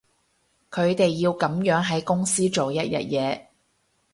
佢哋要噉樣喺公司做一日嘢